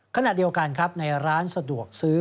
ขณะเดียวกันครับในร้านสะดวกซื้อ